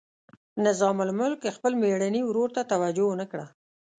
نظام الملک خپل میرني ورور ته توجه ونه کړه.